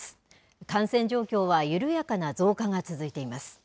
感染状況は緩やかな増加が続いています。